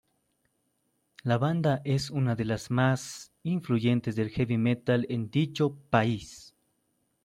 La banda es una de las más influyente del heavy metal en dicho país.